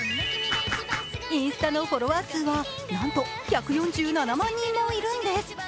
インスタのフォロワー数はなんと１４７万人もいるんです。